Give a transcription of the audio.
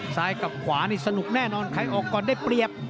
ซ้ายกับขวานี่สนุกแน่นอนใครออกก่อนได้เปรียบ